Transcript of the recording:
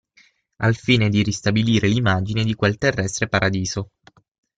Al fine di ristabilire l'immagine di quel terrestre paradiso.